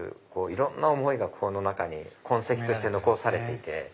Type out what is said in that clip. いろんな思いがこの中に痕跡として残されていて。